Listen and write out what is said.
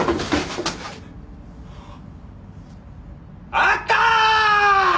あったー！！